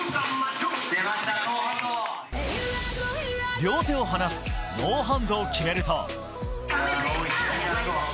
両手を離すノーハンドを決めると。